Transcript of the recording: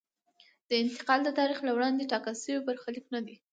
دا انتقال د تاریخ له وړاندې ټاکل شوی برخلیک نه دی.